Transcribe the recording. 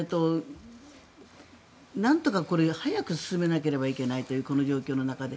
なんとかこれ、早く進めなければいけないというこの状況の中で。